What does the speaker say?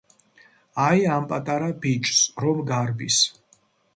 - აი, ამ პატარა ბიჭს, რომ გარბის!